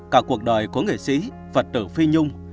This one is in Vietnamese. cả cuộc đời của nghệ sĩ phật tử phi nhung